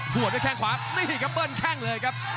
หัวด้วยแข้งขวานี่ครับเบิ้ลแข้งเลยครับ